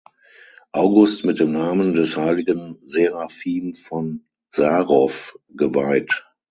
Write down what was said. August mit dem Namen des heiligen Seraphim von Sarow geweiht.